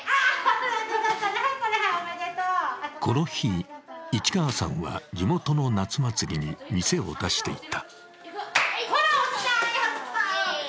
この日、市川さんは地元の夏祭りに店を出していた。